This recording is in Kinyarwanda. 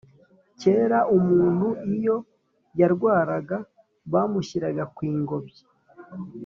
Kera umuntu iyo yarwaraga bamushyiraga ku Ingobyi